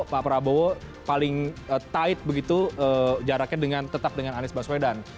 pak prabowo paling tight begitu jaraknya tetap dengan anies baswedan